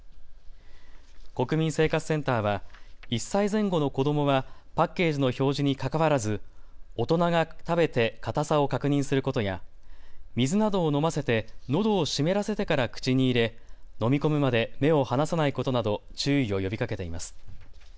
国民生活センターは１歳前後の子どもはパッケージの表示にかかわらず大人が食べて固さを確認することや水などを飲ませてのどを湿らせてから口に入れ飲み込むまで目を離さないことなど注意を呼びかけています。